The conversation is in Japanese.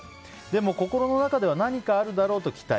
でも、心の中では何かあるだろうと期待。